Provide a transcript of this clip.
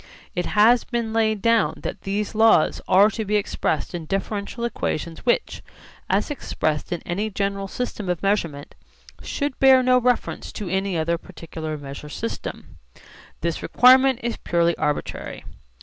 It has been laid down that these laws are to be expressed in differential equations which, as expressed in any general system of measurement, should bear no reference to any other particular measure system. This requirement is purely arbitrary.